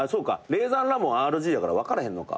レイザーラモンＲＧやから分からへんのか。